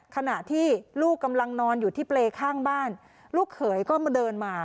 ขณะที่ลูกกำลังนอนอยู่ที่เปรย์ข้างบ้านลูกเขยก็มาเดินมา